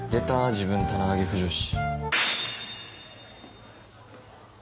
自分棚上げ腐女子。